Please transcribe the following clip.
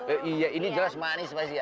eh iya ini jelas manis masih ya